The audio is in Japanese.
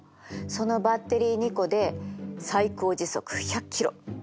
そのバッテリー２個で最高時速１００キロ